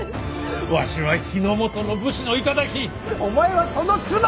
わしは日本の武士の頂お前はその妻じゃ！